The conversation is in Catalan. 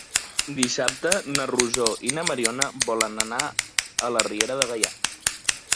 Dissabte na Rosó i na Mariona volen anar a la Riera de Gaià.